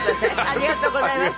ありがとうございます。